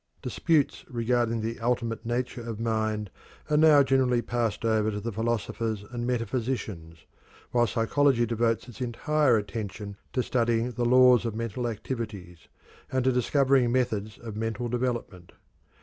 Disputes regarding the ultimate nature of mind are now generally passed over to the philosophers and metaphysicians, while psychology devotes its entire attention to studying the laws of mental activities, and to discovering methods of mental development.